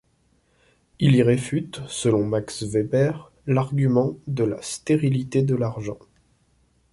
Il y réfute, selon Max Weber, l'argument de la stérilité de l'argent.